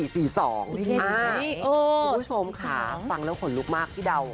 คุณผู้ชมค่ะฟังแล้วขนลุกมากพี่เดา